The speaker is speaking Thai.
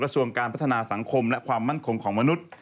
ส่วนการพัฒนาสังคมและความมั่นคงของมนุษย์